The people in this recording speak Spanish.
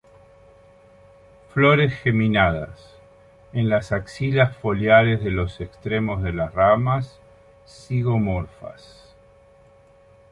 Flores geminadas, en las axilas foliares de los extremos de las ramas, zigomorfas.